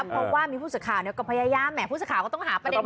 เพราะว่ามีผู้สื่อข่าวก็พยายามแห่ผู้สื่อข่าวก็ต้องหาประเด็น